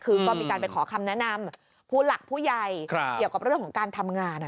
คือก็มีการไปขอคำแนะนำผู้หลักผู้ใหญ่เกี่ยวกับเรื่องของการทำงาน